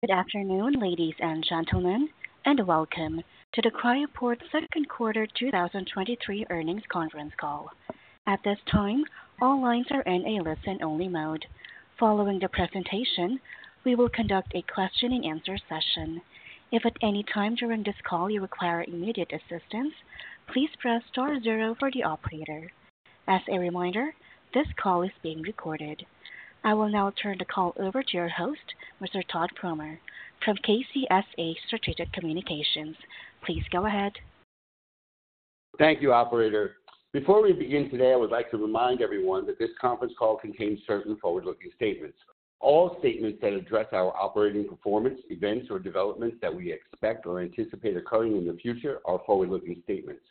Good afternoon, ladies and gentlemen, welcome to the Cryoport second quarter 2023 earnings conference call. At this time, all lines are in a listen-only mode. Following the presentation, we will conduct a questioning answer session. If at any time during this call you require immediate assistance, please press star zero for the operator. As a reminder, this call is being recorded. I will now turn the call over to your host, Mr. Todd Fromer, from KCSA Strategic Communications. Please go ahead. Thank you, operator. Before we begin today, I would like to remind everyone that this conference call contains certain forward-looking statements. All statements that address our operating performance, events, or developments that we expect or anticipate occurring in the future are forward-looking statements.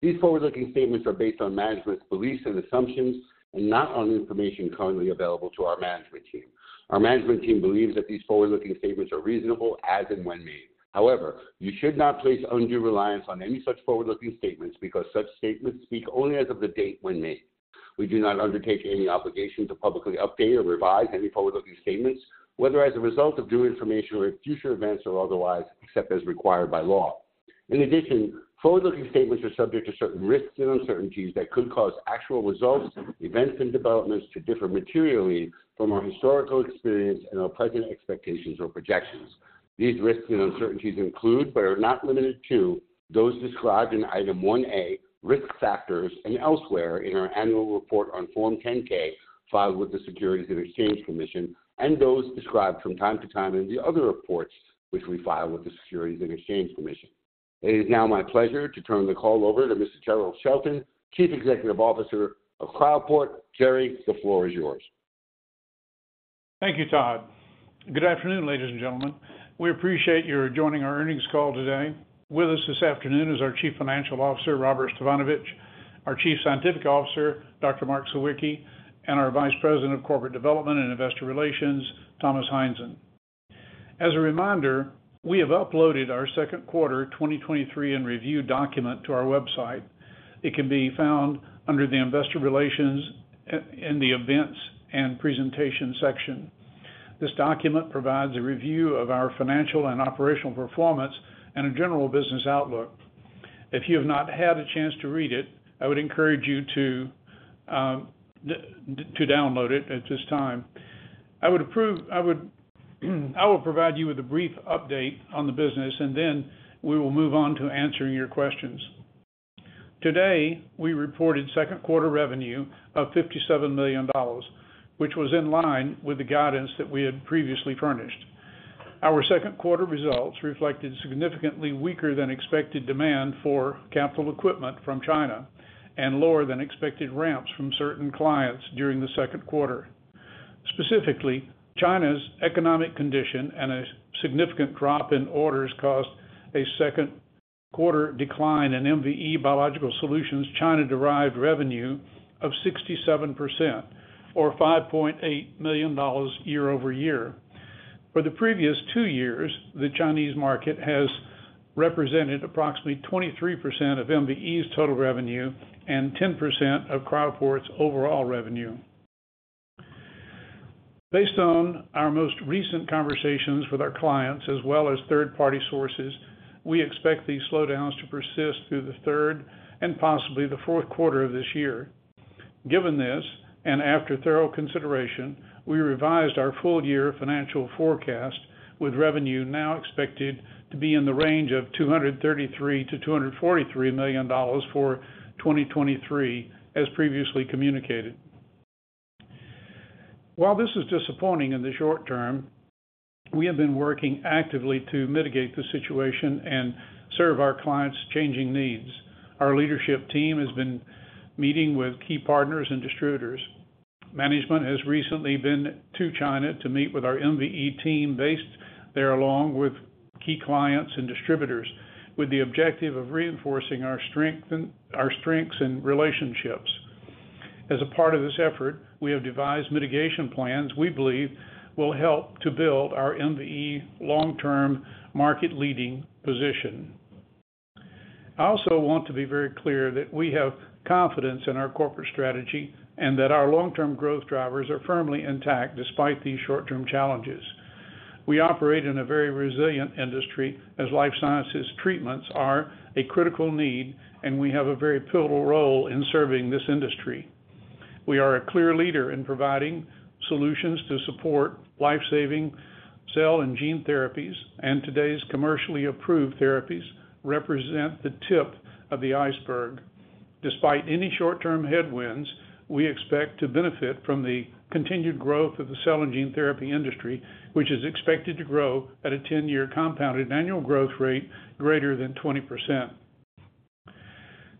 These forward-looking statements are based on management's beliefs and assumptions and not on information currently available to our management team. Our management team believes that these forward-looking statements are reasonable as and when made. However, you should not place undue reliance on any such forward-looking statements because such statements speak only as of the date when made. We do not undertake any obligation to publicly update or revise any forward-looking statements, whether as a result of new information or if future events or otherwise, except as required by law. In addition, forward-looking statements are subject to certain risks and uncertainties that could cause actual results, events, and developments to differ materially from our historical experience and our present expectations or projections. These risks and uncertainties include, but are not limited to, those described in Item 1A, Risk Factors, and elsewhere in our annual report on Form 10-K, filed with the Securities and Exchange Commission, and those described from time to time in the other reports which we file with the Securities and Exchange Commission. It is now my pleasure to turn the call over to Mr. Jerrell Shelton, Chief Executive Officer of Cryoport. Jerry, the floor is yours. Thank you, Todd. Good afternoon, ladies and gentlemen. We appreciate your joining our earnings call today. With us this afternoon is our Chief Financial Officer, Robert Stefanovich, our Chief Scientific Officer, Dr. Mark Sawicki, and our Vice President of Corporate Development and Investor Relations, Thomas Heinzen. As a reminder, we have uploaded our second quarter 2023 in review document to our website. It can be found under the investor relations in the events and presentation section. This document provides a review of our financial and operational performance and a general business outlook. If you have not had a chance to read it, I would encourage you to download it at this time. I will provide you with a brief update on the business, and then we will move on to answering your questions. Today, we reported second quarter revenue of $57 million, which was in line with the guidance that we had previously furnished. Our second quarter results reflected significantly weaker than expected demand for capital equipment from China and lower than expected ramps from certain clients during the second quarter. Specifically, China's economic condition and a significant drop in orders caused a second-quarter decline in MVE Biological Solutions, China-derived revenue of 67% or $5.8 million year-over-year. For the previous two years, the Chinese market has represented approximately 23% of MVE's total revenue and 10% of Cryoport's overall revenue. Based on our most recent conversations with our clients, as well as third-party sources, we expect these slowdowns to persist through the third and possibly the fourth quarter of this year. Given this, after thorough consideration, we revised our full year financial forecast, with revenue now expected to be in the range of $233 million-$243 million for 2023, as previously communicated. While this is disappointing in the short term, we have been working actively to mitigate the situation and serve our clients' changing needs. Our leadership team has been meeting with key partners and distributors. Management has recently been to China to meet with our MVE team based there, along with key clients and distributors, with the objective of reinforcing our strengths and relationships. As a part of this effort, we have devised mitigation plans we believe will help to build our MVE long-term market-leading position. I also want to be very clear that we have confidence in our corporate strategy and that our long-term growth drivers are firmly intact despite these short-term challenges. We operate in a very resilient industry, as life sciences treatments are a critical need, and we have a very pivotal role in serving this industry. We are a clear leader in providing solutions to support life-saving cell and gene therapies, and today's commercially approved therapies represent the tip of the iceberg. Despite any short-term headwinds, we expect to benefit from the continued growth of the cell and gene therapy industry, which is expected to grow at a 10-year compounded annual growth rate greater than 20%.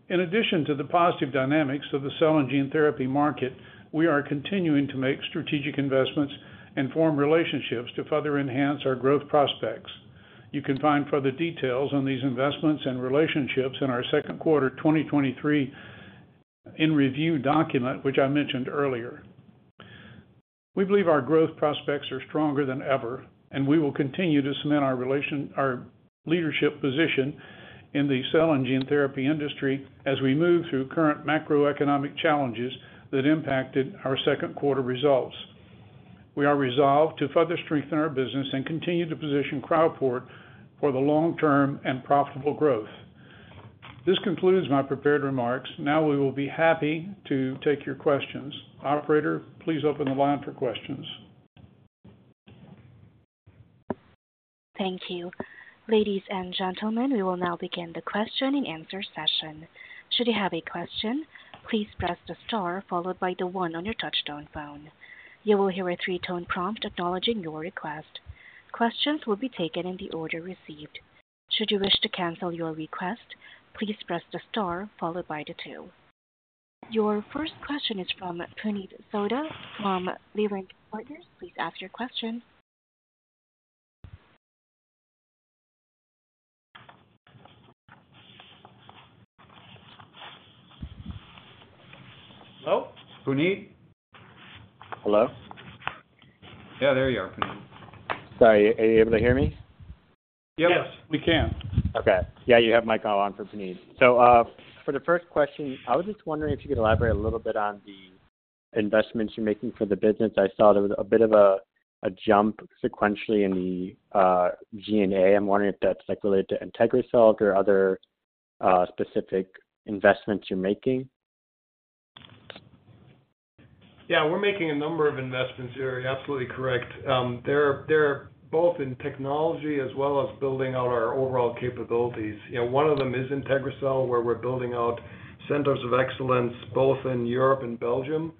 In addition to the positive dynamics of the cell and gene therapy market, we are continuing to make strategic investments and form relationships to further enhance our growth prospects. You can find further details on these investments and relationships in our second quarter 2023 in review document, which I mentioned earlier. We believe our growth prospects are stronger than ever, and we will continue to cement our leadership position in the cell and gene therapy industry as we move through current macroeconomic challenges that impacted our second quarter results. We are resolved to further strengthen our business and continue to position Cryoport for the long term and profitable growth. This concludes my prepared remarks. Now we will be happy to take your questions. Operator, please open the line for questions. Thank you. Ladies and gentlemen, we will now begin the question-and-answer session. Should you have a question, please press the star followed by the one on your touchdown phone. You will hear a three tone prompt acknowledging your request. Questions will be taken in the order received. Should you wish to cancel your request, please press the star followed by the two. Your first question is from Puneet Souda from Leerink Partners. Please ask your question. Hello, Puneet? Hello? Yeah, there you are, Puneet. Sorry, are you able to hear me? Yes, we can. Okay. Yeah, you have Mike on for Puneet. For the first question, I was just wondering if you could elaborate a little bit on the investments you're making for the business. I saw there was a bit of a jump sequentially in the G&A. I'm wondering if that's, like, related to IntegriCell or other specific investments you're making. Yeah, we're making a number of investments here. You're absolutely correct. They're both in technology as well as building out our overall capabilities. You know, one of them is IntegriCell, where we're building out centers of excellence, both in Europe and Belgium,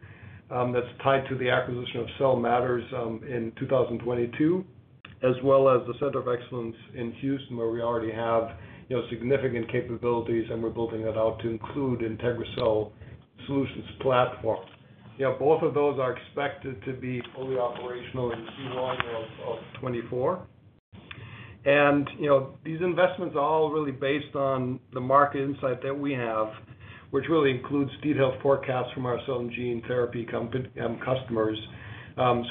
that's tied to the acquisition of Cell Matters in 2022, as well as the Center of Excellence in Houston, where we already have, you know, significant capabilities, and we're building it out to include IntegriCell solutions platform. Yeah, both of those are expected to be fully operational in Q1 of 2024. You know, these investments are all really based on the market insight that we have, which really includes detailed forecasts from our cell and gene therapy customers.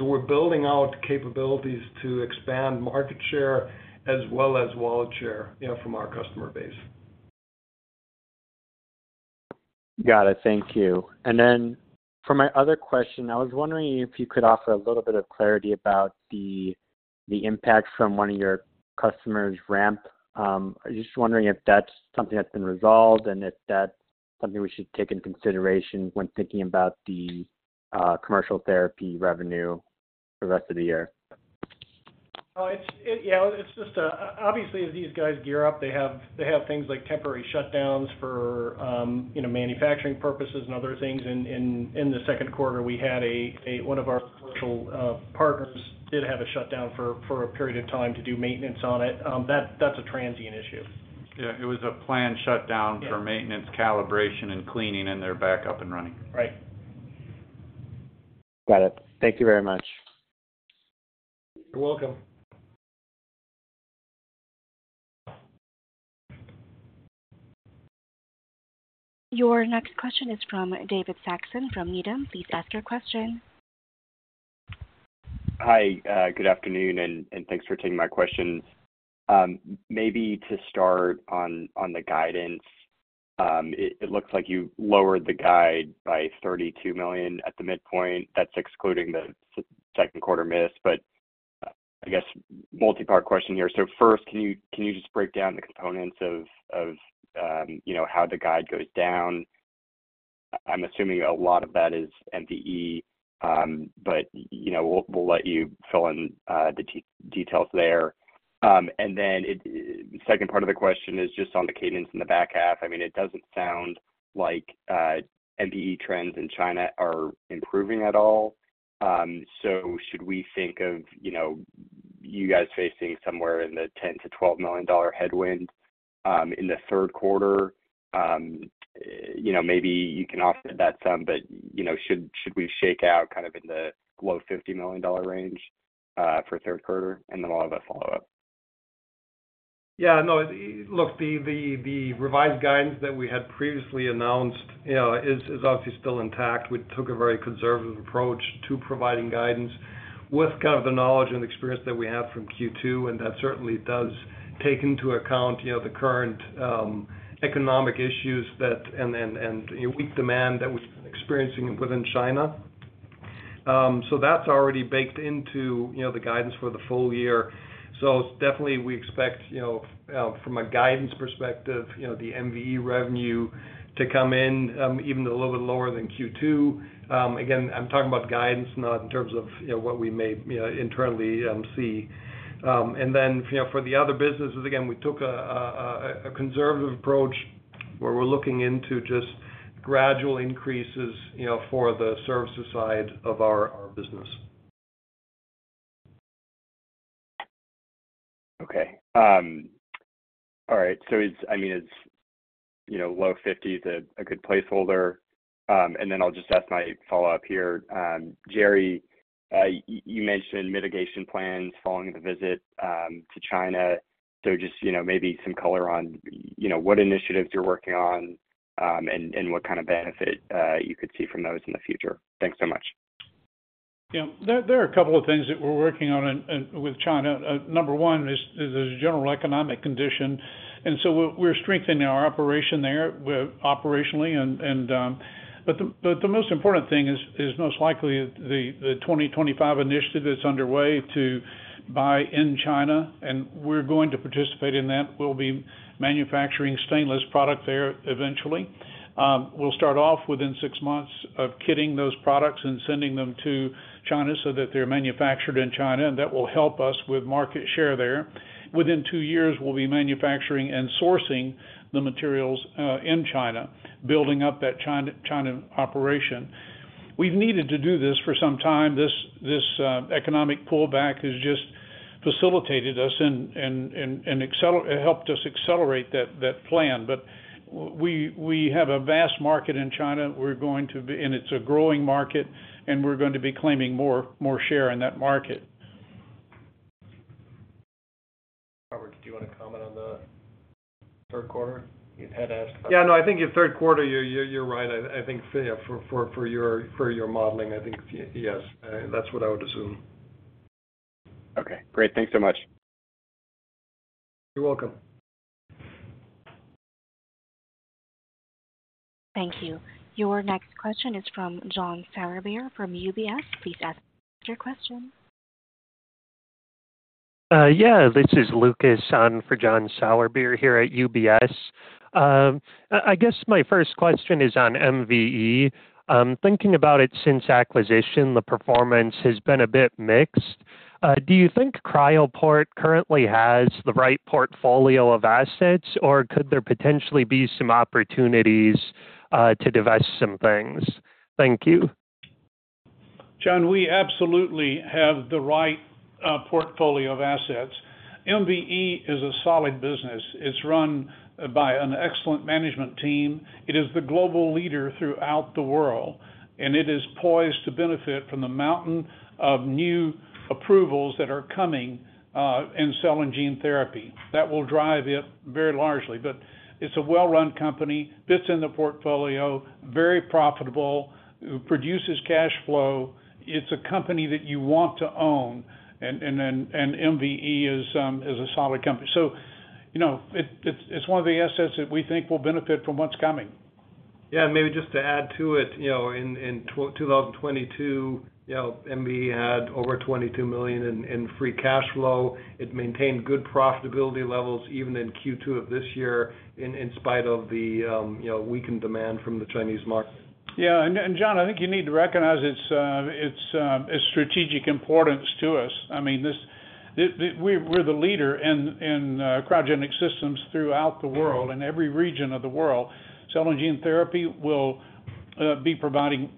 We're building out capabilities to expand market share as well as wallet share, you know, from our customer base. Got it. Thank you. For my other question, I was wondering if you could offer a little bit of clarity about the impact from one of your customers' ramp. I was just wondering if that's something that's been resolved and if that's something we should take in consideration when thinking about the commercial therapy revenue for the rest of the year? It's, yeah, it's just. Obviously, as these guys gear up, they have things like temporary shutdowns for, you know, manufacturing purposes and other things. In the second quarter, we had a one of our commercial partners did have a shutdown for a period of time to do maintenance on it. That's a transient issue. Yeah, it was a planned shutdown. Yeah. For maintenance, calibration, and cleaning, and they're back up and running. Right. Got it. Thank you very much. You're welcome. Your next question is from David Saxon from Needham. Please ask your question. Hi, good afternoon, and thanks for taking my questions. Maybe to start on, on the guidance, it looks like you lowered the guide by $32 million at the midpoint. That's excluding the second quarter miss, but I guess multipart question here. First, can you just break down the components of, of, you know, how the guide goes down? I'm assuming a lot of that is MVE, but, you know, we'll you fill in the details there. Second part of the question is just on the cadence in the back half. I mean, it doesn't sound like MVE trends in China are improving at all. Should we think of, you know, you guys facing somewhere in the $10 million-$12 million headwind in the third quarter? You know, maybe you can offset that some, but, you know, should we shake out kind of in the low $50 million range, for third quarter? Then I'll have a follow-up. Yeah, no, look, the revised guidance that we had previously announced, you know, is obviously still intact. We took a very conservative approach to providing guidance with kind of the knowledge and experience that we have from Q2, that certainly does take into account, you know, the current economic issues that, you know, weak demand that we're experiencing within China. That's already baked into, you know, the guidance for the full year. Definitely we expect, you know, from a guidance perspective, you know, the MVE revenue to come in even a little bit lower than Q2. Again, I'm talking about guidance, not in terms of, you know, what we may, you know, internally see. Then, you know, for the other businesses, again, we took a conservative approach where we're looking into just gradual increases, you know, for the services side of our business. Okay. All right, so it's, I mean, it's, you know, low 50 is a good placeholder. Then I'll just ask my follow-up here. Jerry, you mentioned mitigation plans following the visit to China. Just, you know, maybe some color on, you know, what initiatives you're working on, and what kind of benefit you could see from those in the future. Thanks so much. Yeah. There are a couple of things that we're working on in with China. Number one is the general economic condition. We're strengthening our operation there, operationally. The most important thing is most likely the 2025 initiative that's underway to buy in China. We're going to participate in that. We'll be manufacturing stainless product there eventually. We'll start off within six months of kitting those products and sending them to China so that they're manufactured in China. That will help us with market share there. Within two years, we'll be manufacturing and sourcing the materials in China, building up that China, China operation. We've needed to do this for some time. This, this economic pullback has just facilitated us and it helped us accelerate that plan. We have a vast market in China. We're going to be-- and it's a growing market, and we're going to be claiming more, more share in that market. Robert, do you wanna comment on the third quarter? You've had to ask- Yeah, no, I think in third quarter, you're right. I think, yeah, for your modeling, I think, yes, that's what I would assume. Okay, great. Thanks so much. You're welcome. Thank you. Your next question is from John Sourbeer from UBS. Please ask your question. Yeah, this is Lucas on for John Sourbeer here at UBS. I, I guess my first question is on MVE. Thinking about it, since acquisition, the performance has been a bit mixed. Do you think Cryoport currently has the right portfolio of assets, or could there potentially be some opportunities to divest some things? Thank you. John, we absolutely have the right portfolio of assets. MVE is a solid business. It's run by an excellent management team. It is the global leader throughout the world, and it is poised to benefit from the mountain of new approvals that are coming in cell and gene therapy. That will drive it very largely. It's a well-run company, fits in the portfolio, very profitable, produces cash flow. It's a company that you want to own and MVE is a solid company. You know, it's one of the assets that we think will benefit from what's coming. Maybe just to add to it, you know, in 2022, you know, MVE had over $22 million in, in free cash flow. It maintained good profitability levels, even in Q2 of this year, in spite of the, you know, weakened demand from the Chinese market. Yeah, and John, I think you need to recognize its strategic importance to us. I mean, this we're the leader in cryogenic systems throughout the world, in every region of the world. Cell and gene therapy will be providing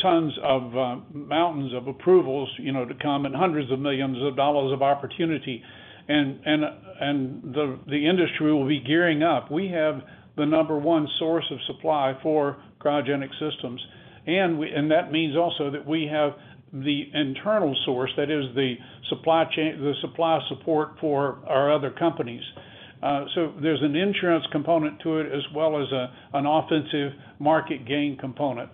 tons of, mountains of approvals, you know, to come and hundreds of millions of dollars of opportunity. The industry will be gearing up. We have the number one source of supply for cryogenic systems, and that means also that we have the internal source, that is the supply chain, the supply support for our other companies. So there's an insurance component to it, as well as a, an offensive market gain component.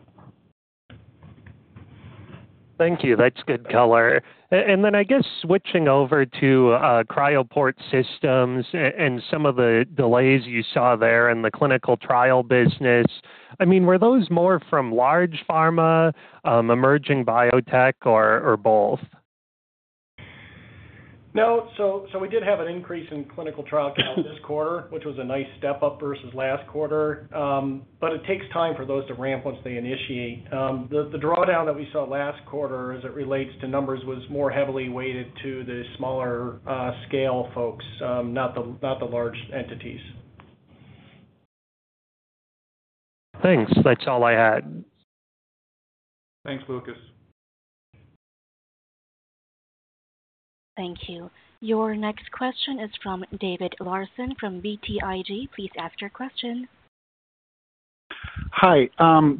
Thank you. That's good color. Then I guess switching over to Cryoport Systems and some of the delays you saw there in the clinical trial business, I mean, were those more from large pharma, emerging biotech or both? No, so we did have an increase in clinical trial count this quarter, which was a nice step up versus last quarter. It takes time for those to ramp once they initiate. The drawdown that we saw last quarter as it relates to numbers, was more heavily weighted to the smaller, scale folks, not the large entities. Thanks. That's all I had. Thanks, Lucas. Thank you. Your next question is from David Larsen from BTIG. Please ask your question. Hi.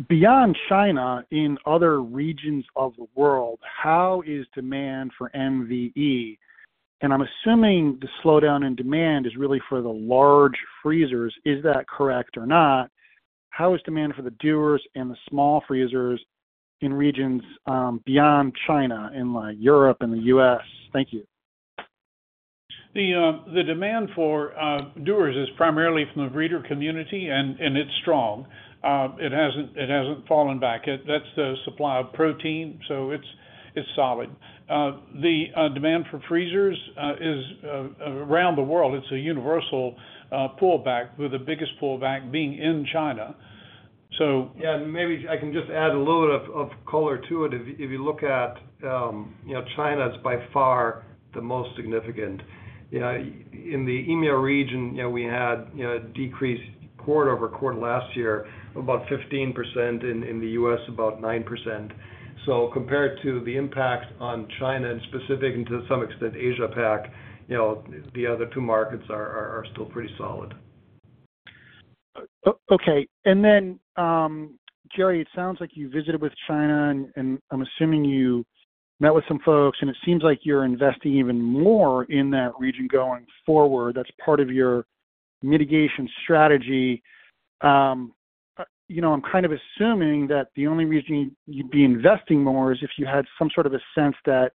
beyond China, in other regions of the world, how is demand for MVE? I'm assuming the slowdown in demand is really for the large freezers. Is that correct or not? How is demand for the dewar and the small freezers in regions, beyond China, in like Europe and the U.S.? Thank you. The demand for dewars is primarily from the breeder community and it's strong. It hasn't fallen back. That's the supply of protein, so it's solid. The demand for freezers is around the world. It's a universal pullback, with the biggest pullback being in China. Yeah, maybe I can just add a little bit of color to it. If you look at, you know, China is by far the most significant. You know, in the EMEA region, you know, we had, you know, a decreased quarter-over-quarter last year, about 15%, in the U.S., about 9%. Compared to the impact on China and specific, and to some extent, Asia Pac, you know, the other two markets are, are still pretty solid. Okay. Then, Jerry, it sounds like you visited with China, and I'm assuming you met with some folks, and it seems like you're investing even more in that region going forward. That's part of your mitigation strategy. You know, I'm kind of assuming that the only reason you'd be investing more is if you had some sort of a sense that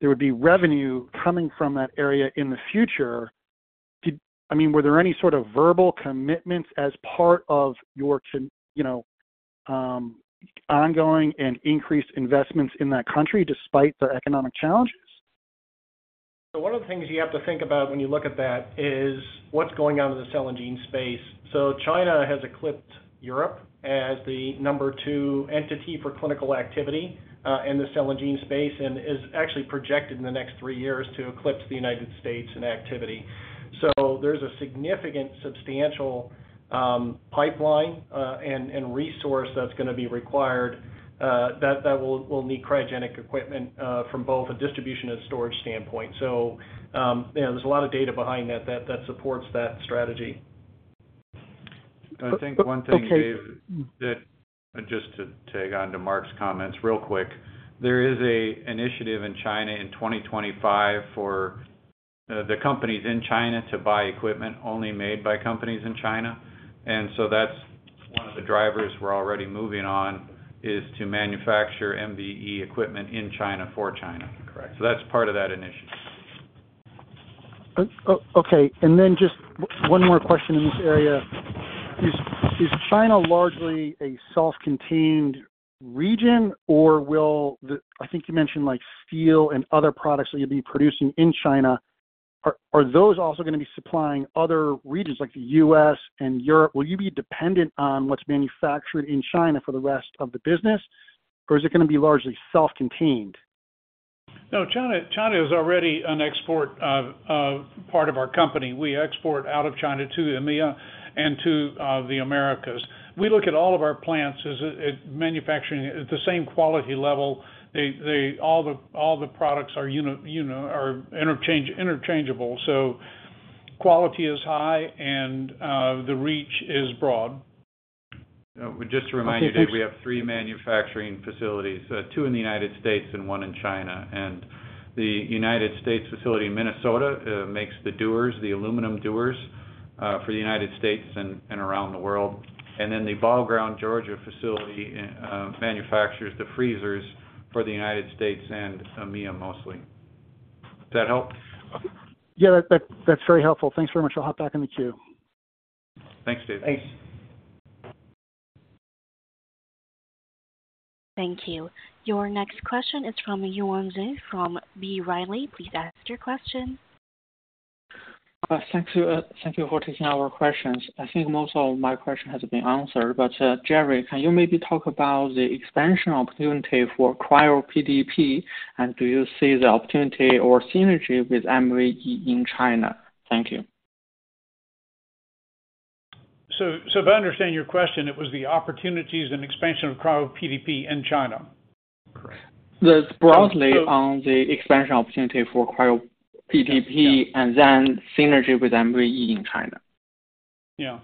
there would be revenue coming from that area in the future. I mean, were there any sort of verbal commitments as part of your con, you know, ongoing and increased investments in that country despite the economic challenges? One of the things you have to think about when you look at that is what's going on in the cell and gene space. China has eclipsed Europe as the number two entity for clinical activity, in the cell and gene space, and is actually projected in the next three years to eclipse the United States in activity. There's a significant substantial pipeline and resource that's going to be required that will need cryogenic equipment, from both a distribution and storage standpoint. Yeah, there's a lot of data behind that supports that strategy. I think one thing, Dave, that just to tag on to Mark's comments real quick, there is a initiative in China in 2025 for the companies in China to buy equipment only made by companies in China. So that's one of the drivers we're already moving on, is to manufacture MVE equipment in China for China. Correct. That's part of that initiative. Okay, just one more question in this area. Is China largely a self-contained region, or I think you mentioned, like, steel and other products that you'll be producing in China, are those also going to be supplying other regions like the U.S. and Europe? Will you be dependent on what's manufactured in China for the rest of the business, or is it going to be largely self-contained? China is already an export of part of our company. We export out of China to EMEA and to the Americas. We look at all of our plants as at manufacturing at the same quality level. They, all the products are you know, interchangeable. Quality is high, and the reach is broad. Just to remind you, Dave, we have three manufacturing facilities, two in the United States and one in China. The United States facility in Minnesota makes the dewars, the aluminum dewars, for the United States and around the world. The Ball Ground, Georgia, facility manufactures the freezers for the United States and EMEA, mostly. Does that help? Yeah, that's very helpful. Thanks very much. I'll hop back in the queue. Thanks, Dave. Thanks. Thank you. Your next question is from Yuan Zhi, from B. Riley. Please ask your question. Thank you. Thank you for taking our questions. I think most of my question has been answered, but Jerry, can you maybe talk about the expansion opportunity for CRYOPDP, and do you see the opportunity or synergy with MVE in China? Thank you. So if I understand your question, it was the opportunities and expansion of CRYOPDP in China. Correct. Just broadly on the expansion opportunity for CRYOPDP and then synergy with MVE in China. Yeah.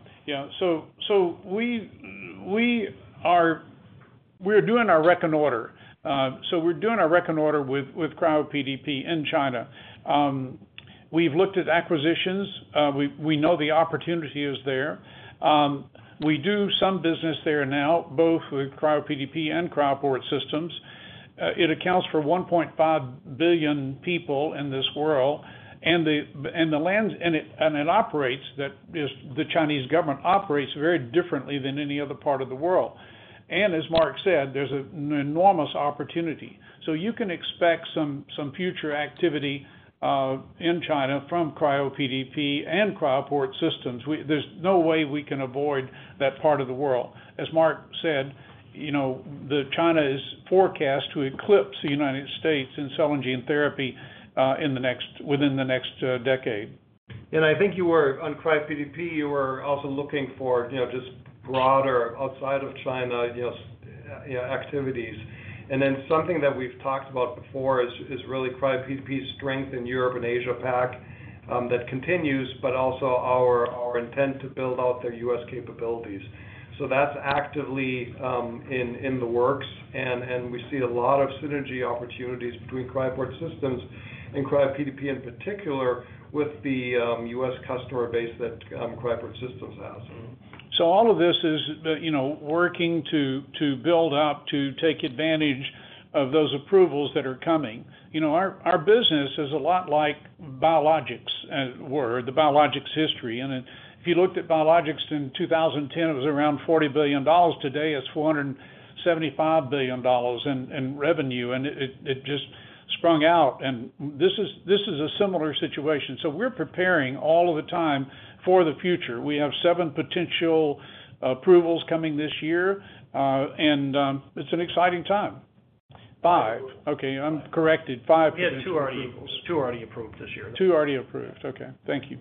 So we're doing our rec and order. We're doing our rec and order with Cryo PDP in China. We've looked at acquisitions. We know the opportunity is there. We do some business there now, both with Cryo PDP and Cryoport Systems. It accounts for 1.5 billion people in this world, and the lands, and it operates, that, just the Chinese government operates very differently than any other part of the world. As Mark said, there's an enormous opportunity. You can expect some future activity in China from Cryo PDP and Cryoport Systems. There's no way we can avoid that part of the world. As Mark said, you know, the China is forecast to eclipse the United States in cell and gene therapy, in the next, within the next, decade. I think you were, on CRYOPDP, you were also looking for, you know, just broader outside of China, just, you know, activities. Something that we've talked about before is really CRYOPDP's strength in Europe and Asia Pac, that continues, but also our intent to build out their U.S. capabilities. That's actively in the works and we see a lot of synergy opportunities between Cryoport Systems and CRYOPDP in particular, with the U.S. customer base that Cryoport Systems has. All of this is the working to build out, to take advantage of those approvals that are coming. Our business is a lot like biologics, were, the biologics history. If you looked at biologics in 2010, it was around $40 billion. Today, it's $475 billion in revenue, and it just sprung out. This is a similar situation, so we're preparing all of the time for the future. We have seven potential approvals coming this year, and it's an exciting time. five. Okay, I'm corrected. Five potential approvals. We have two already, two already approved this year. Two already approved. Okay. Thank you.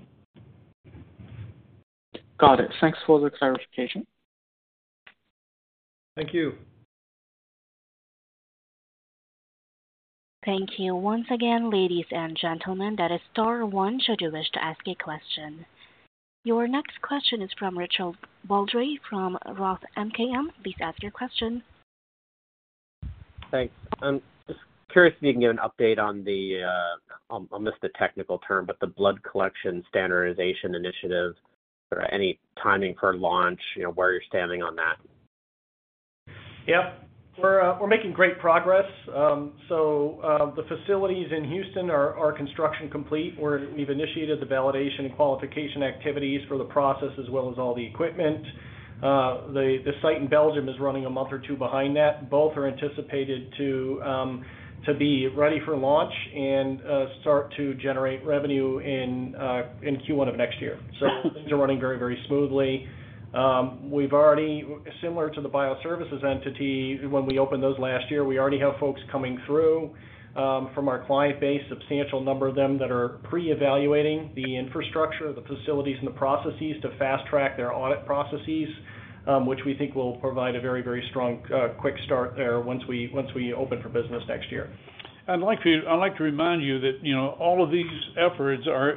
Got it. Thanks for the clarification. Thank you. Thank you. Once again, ladies and gentlemen, that is star one should you wish to ask a question. Your next question is from Richard Baldry, from Roth MKM. Please ask your question. Thanks. I'm just curious if you can give an update on the, I'll miss the technical term, but the blood collection standardization initiative. Is there any timing for launch? You know, where you're standing on that? Yep, we're making great progress. The facilities in Houston are construction complete. We're-- We've initiated the validation and qualification activities for the process as well as all the equipment. The site in Belgium is running a month or two behind that. Both are anticipated to be ready for launch and start to generate revenue in Q1 of next year. Things are running very, very smoothly. We've already-- Similar to the BioServices entity, when we opened those last year, we already have folks coming through from our client base, substantial number of them that are pre-evaluating the infrastructure, the facilities, and the processes to fast track their audit processes, which we think will provide a very, very strong, quick start there once we open for business next year. I'd like to remind you that, you know, all of these efforts are,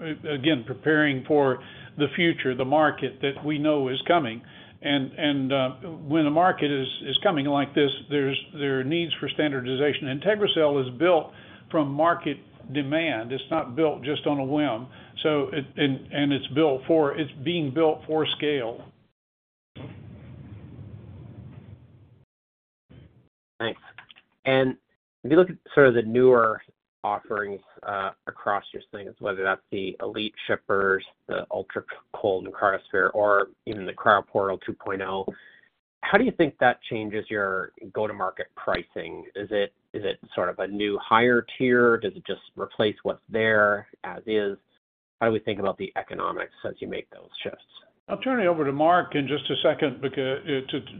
again, preparing for the future, the market that we know is coming. When a market is coming like this, there's, there are needs for standardization. IntegriCell is built from market demand. It's not built just on a whim. It's being built for scale. Thanks. If you look at sort of the newer offerings, across your things, whether that's the Elite shippers, the Elite Ultra Cold and Cryosphere, or even the Cryoportal 2.0, how do you think that changes your go-to-market pricing? Is it sort of a new higher tier? Does it just replace what's there as is? How do we think about the economics as you make those shifts? I'll turn it over to Mark in just a second, because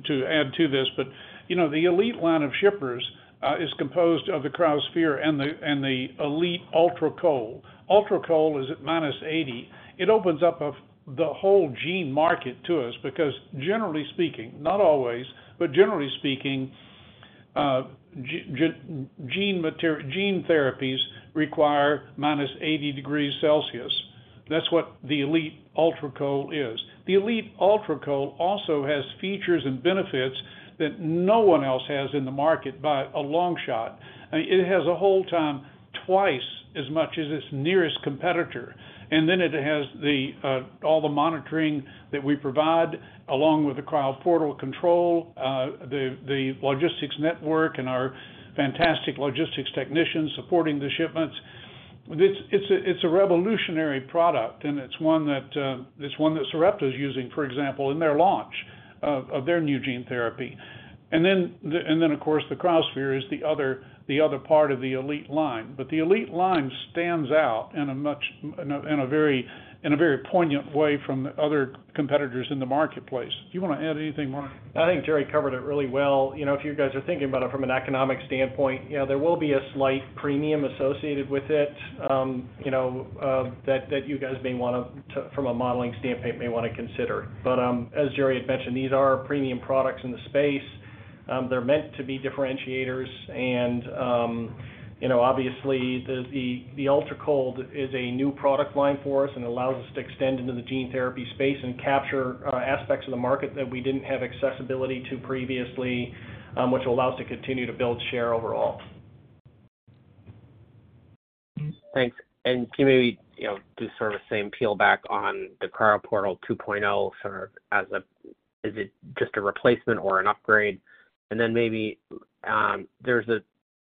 to add to this, but, you know, the Elite line of shippers is composed of the Cryosphere and the Elite Ultra Cold. Elite Ultra Cold is at minus 80. It opens up the whole gene market to us, because generally speaking, not always, but generally speaking, gene therapies require minus 80 degrees Celsius. That's what the Elite Ultra Cold is. The Elite Ultra Cold also has features and benefits that no one else has in the market by a long shot. I mean, it has a whole time, twice as much as its nearest competitor, and then it has the all the monitoring that we provide, along with the Cryoportal control, the logistics network and our fantastic logistics technicians supporting the shipments. It's a revolutionary product, and it's one that Sarepta is using, for example, in their launch of, of their new gene therapy. Then, of course, the Cryosphere is the other part of the Elite line. The Elite line stands out in a much in a very poignant way from other competitors in the marketplace. Do you want to add anything, Mark? I think Jerry covered it really well. You know, if you guys are thinking about it from an economic standpoint, you know, there will be a slight premium associated with it, you know, that, that you guys may want to, from a modeling standpoint, may want to consider. As Jerry had mentioned, these are premium products in the space. They're meant to be differentiators. You know, obviously, the Ultra Cold is a new product line for us and allows us to extend into the gene therapy space and capture aspects of the market that we didn't have accessibility to previously, which will allow us to continue to build share overall. Thanks. Can you maybe, you know, do sort of the same peel back on the Cryoportal 2.0, sort of as a, is it just a replacement or an upgrade? Then maybe there's a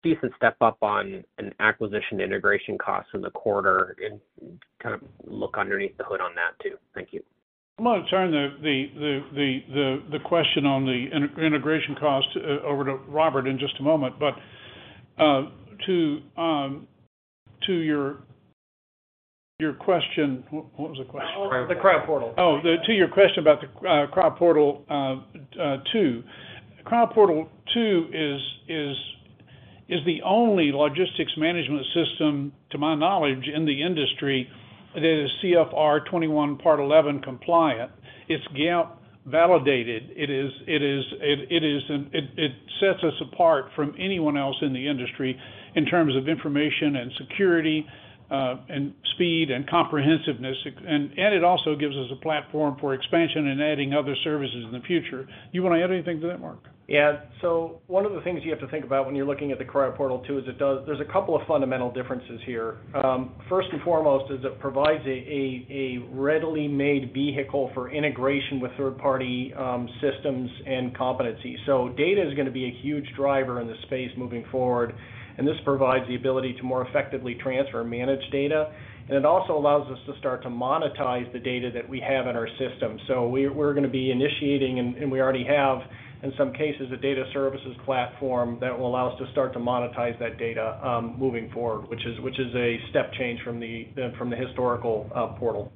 decent step up on an acquisition integration cost in the quarter and kind of look underneath the hood on that too. Thank you. I'm going to turn the question on the integration cost over to Robert in just a moment. To your question. What was the question? The Cryoportal. Oh, to your question about the Cryoportal two. Cryoportal two is the only logistics management system, to my knowledge, in the industry that is 21 CFR Part 11 compliant. It's GAAP validated. It sets us apart from anyone else in the industry in terms of information and security, and speed and comprehensiveness. It also gives us a platform for expansion and adding other services in the future. You want to add anything to that, Mark? Yeah. One of the things you have to think about when you're looking at the Cryoportal two is it does. There's a couple of fundamental differences here. First and foremost, is it provides a readily made vehicle for integration with third-party systems and competencies. Data is gonna be a huge driver in this space moving forward, and this provides the ability to more effectively transfer and manage data, and it also allows us to start to monetize the data that we have in our system. We're gonna be initiating, and we already have, in some cases, a data services platform that will allow us to start to monetize that data moving forward, which is a step change from the historical portal.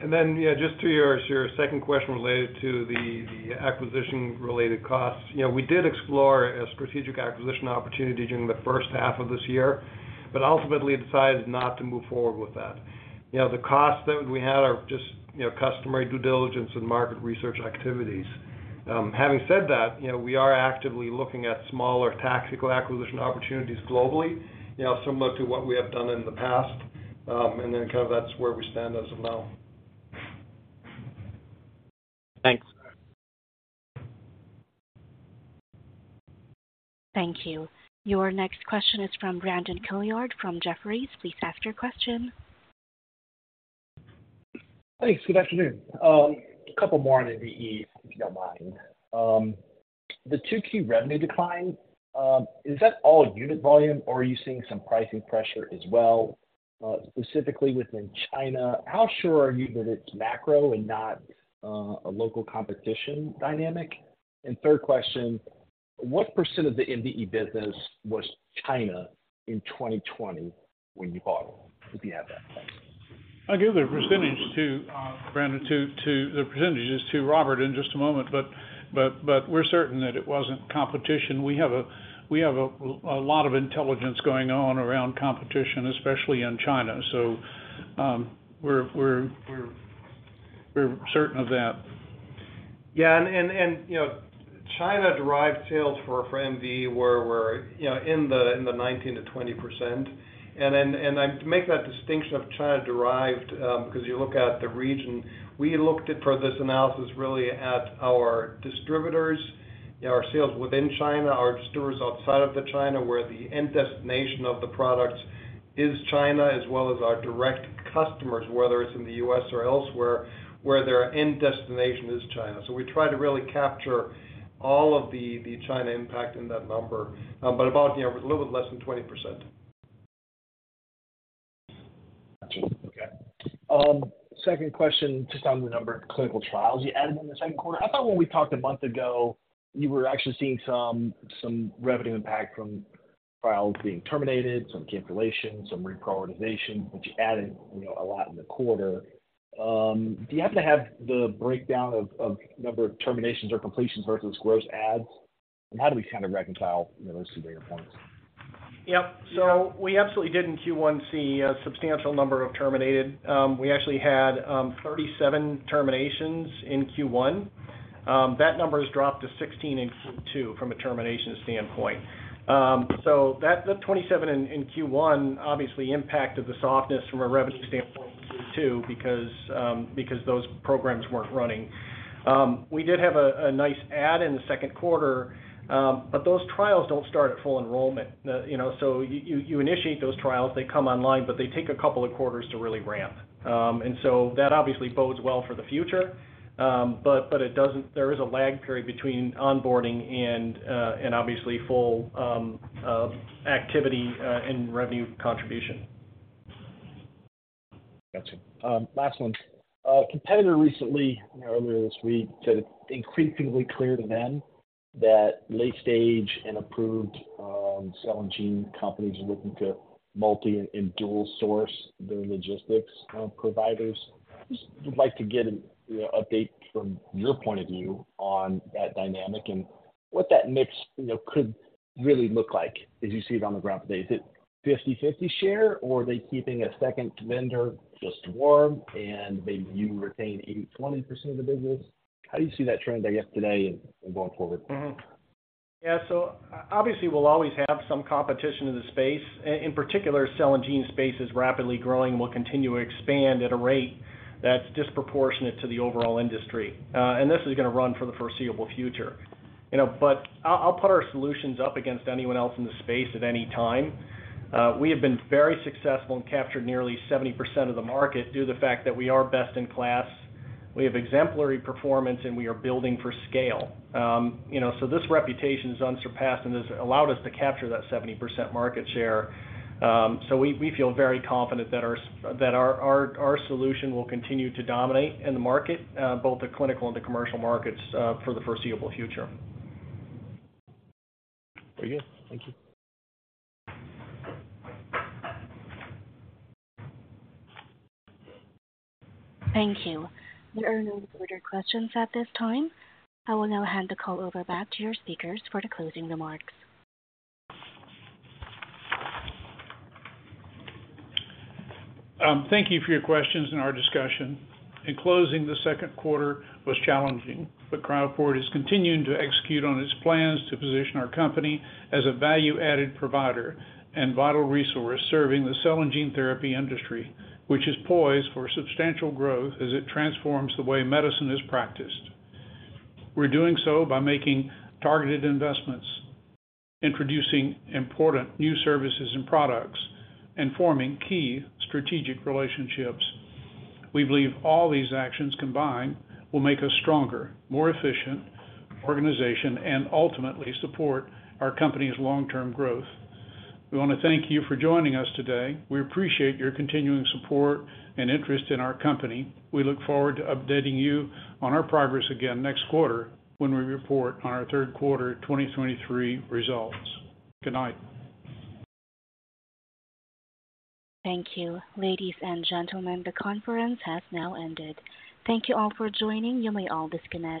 Yeah, just to your second question related to the acquisition-related costs. You know, we did explore a strategic acquisition opportunity during the first half of this year, but ultimately decided not to move forward with that. You know, the costs that we had are just, you know, customary due diligence and market research activities. Having said that, you know, we are actively looking at smaller tactical acquisition opportunities globally, you know, similar to what we have done in the past. Kind of that's where we stand as of now. Thanks. Thank you. Your next question is from Brandon Couillard, from Jefferies. Please ask your question. Thanks. Good afternoon. A couple more on MVE, if you don't mind. The two key revenue decline, is that all unit volume, or are you seeing some pricing pressure as well? Specifically within China, how sure are you that it's macro and not a local competition dynamic? Third question, what % of the MVE business was China in 2020 when you bought it, if you have that, thanks. I'll give the % to Brandon, to the % to Robert in just a moment. We're certain that it wasn't competition. We have a lot of intelligence going on around competition, especially in China. We're certain of that. Yeah, and you know, China-derived sales for MVE were you know, in the 19%-20%. And I make that distinction of China-derived, because you look at the region. We looked at for this analysis, really at our distributors, our sales within China, our distributors outside of the China, where the end destination of the products is China, as well as our direct customers, whether it's in the U.S. or elsewhere, where their end destination is China. We try to really capture all of the China impact in that number, but about, you know, a little bit less than 20%. Got you. Okay. Second question, just on the number of clinical trials you added in the second quarter. I thought when we talked a month ago, you were actually seeing some revenue impact from trials being terminated, some cancellations, some reprioritization, but you added, you know, a lot in the quarter. Do you happen to have the breakdown of, of number of terminations or completions versus gross adds? How do we kind of reconcile, you know, those two data points? Yep. We absolutely did in Q1 see a substantial number of terminated. We actually had 37 terminations in Q1. That number has dropped to 16 in Q2 from a termination standpoint. That, the 27 in Q1 obviously impacted the softness from a revenue standpoint in Q2, because those programs weren't running. We did have a nice add in the second quarter, but those trials don't start at full enrollment. You know, you initiate those trials, they come online, but they take a couple of quarters to really ramp. That obviously bodes well for the future, but it doesn't. There is a lag period between onboarding and obviously full activity and revenue contribution. Got you. Last one. A competitor recently, you know, earlier this week, said it's increasingly clear to them that late stage and approved cell and gene companies are looking to multi and dual source their logistics providers. Just would like to get an, you know, update from your point of view on that dynamic and what that mix, you know, could really look like as you see it on the ground today. Is it 50/50 share, or are they keeping a second vendor just warm and maybe you retain 80%, 20% of the business? How do you see that trend, I guess, today and going forward? Yeah, obviously, we'll always have some competition in the space. In particular, cell and gene space is rapidly growing and will continue to expand at a rate that's disproportionate to the overall industry. This is going to run for the foreseeable future. You know, I'll put our solutions up against anyone else in the space at any time. We have been very successful and captured nearly 70% of the market due to the fact that we are best in class. We have exemplary performance, we are building for scale. You know, this reputation is unsurpassed and has allowed us to capture that 70% market share. We feel very confident that our that our solution will continue to dominate in the market, both the clinical and the commercial markets, for the foreseeable future. Very good. Thank you. Thank you. There are no further questions at this time. I will now hand the call over back to your speakers for the closing remarks. Thank you for your questions and our discussion. In closing, the second quarter was challenging, but Cryoport is continuing to execute on its plans to position our company as a value-added provider and vital resource serving the cell and gene therapy industry, which is poised for substantial growth as it transforms the way medicine is practiced. We're doing so by making targeted investments, introducing important new services and products, and forming key strategic relationships. We believe all these actions combined will make us stronger, more efficient organization, and ultimately support our company's long-term growth. We want to thank you for joining us today. We appreciate your continuing support and interest in our company. We look forward to updating you on our progress again next quarter, when we report on our third quarter 2023 results. Good night. Thank you. Ladies and gentlemen, the conference has now ended. Thank you all for joining. You may all disconnect.